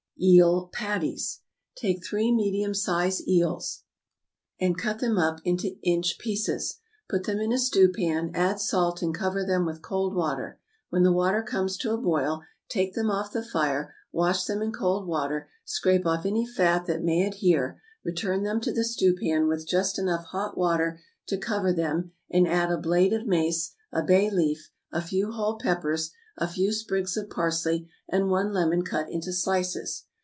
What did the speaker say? =Eel Patties.= Take three medium sized eels, and cut them up into inch pieces. Put them in a stewpan, add salt, and cover them with cold water. When the water comes to a boil, take them off the fire, wash them in cold water, scrape off any fat that may adhere, return them to the stewpan with just enough hot water to cover them, and add a blade of mace, a bay leaf, a few whole peppers, a few sprigs of parsley, and one lemon cut into slices.